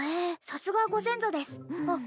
さすがはご先祖ですあっ